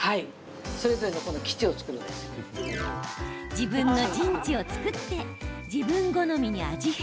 自分の陣地を作って自分好みに味変。